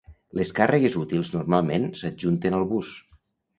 Les càrregues útils normalment s'adjunten al bus.